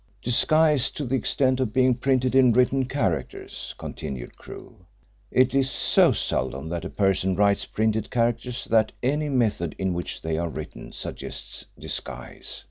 "Disguised to the extent of being printed in written characters," continued Crewe. "It is so seldom that a person writes printed characters that any method in which they are written suggests disguise.